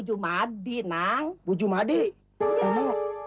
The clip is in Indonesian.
jumadi nang bujum adik kamu tipinya musik hitam putih